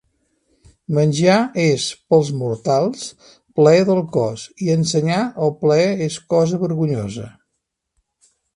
Menjar és, pels mortals, plaer del cos, i ensenyar el plaer és cosa vergonyosa…